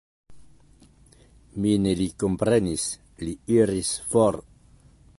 Mi ne lin komprenis, li iris for.